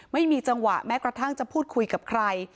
ไม่มีจังหวะแม้กระทั่งจะพูดคุยกับใคร